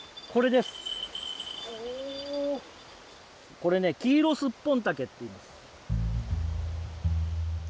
これねキイロスッポンタケっていいます。